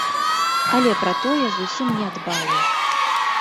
Але пра тое зусім не дбаю.